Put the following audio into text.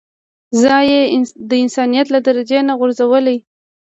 ځان يې د انسانيت له درجې نه غورځولی.